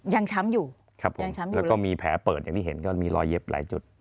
ยังช้ำอยู่ยังช้ำอยู่เลยครับผมแล้วก็มีแผลเปิดอย่างที่เห็นก็มีรอยเย็บหลายจุด